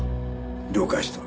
了解した。